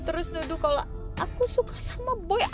terus nuduh kalau aku suka sama boy